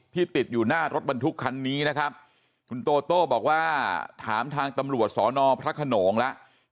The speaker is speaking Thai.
ติดอยู่หน้ารถบรรทุกคันนี้นะครับคุณโตโต้บอกว่าถามทางตำรวจสอนอพระขนงแล้ว